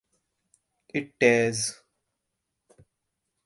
It tears.